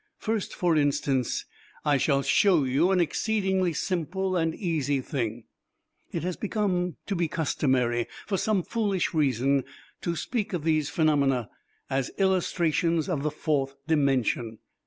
First, for instance, I shall show you an exceedingly simple and easy thing. It has come to be customary, for some foolish reason, to speak of these phenomena as illustrations of the 'fourth dimension.'